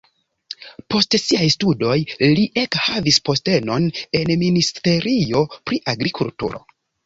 Post siaj studoj li ekhavis postenon en ministerio pri agrikulturo.